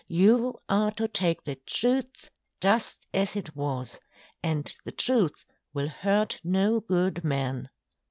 You are to take the Truth, just as it was; and the Truth will hurt no good Man.